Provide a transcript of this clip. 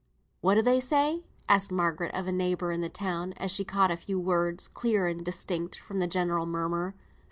"What do they say?" asked Margaret, of a neighbour in the crowd, as she caught a few words, clear and distinct, from the general murmur.